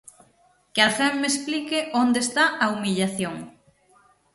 "Que alguén me explique onde está a humillación".